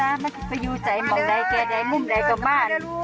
มาพิธีประยูใจหมอกใดเกลียดใดงุ่มใดกลับบ้าน